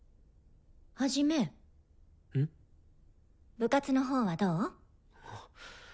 部活のほうはどう？